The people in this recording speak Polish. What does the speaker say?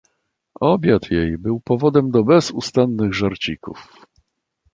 "Obiad jej był powodem do bezustannych żarcików."